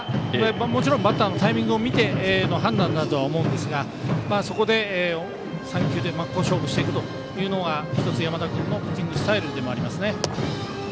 もちろんバッターのタイミングを見ての判断だとは思うんですがそこで三球で真っ向勝負していくというのが１つ、山田君のピッチングスタイルでもあります。